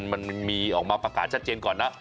มันมีออกมาประกาศชัดเจนก่อนนะ